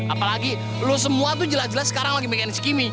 apalagi lu semua tuh jelas jelas sekarang lagi bikin skimming